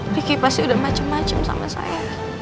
ricky pasti udah macem macem sama saya